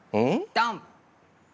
ドン！